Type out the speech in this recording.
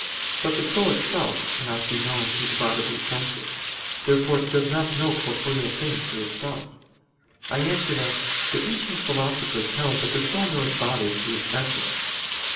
But the soul itself cannot be known through the bodily senses. Therefore it does not know corporeal things through itself. I answer that, The ancient philosophers held that the soul knows bodies through its essence.